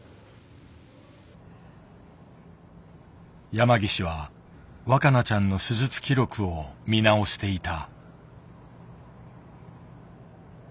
山岸はわかなちゃんの手術記録を見直していた。